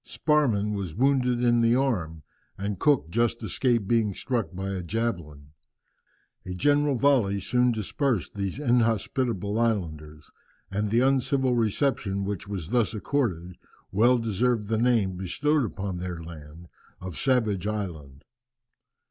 Sparrman was wounded in the arm, and Cook just escaped being struck by a javelin. A general volley soon dispersed these inhospitable islanders, and the uncivil reception which was thus accorded well deserved the name bestowed upon their land of Savage Island.